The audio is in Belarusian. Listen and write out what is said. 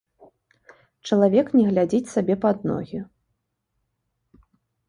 Чалавек не глядзіць сабе пад ногі.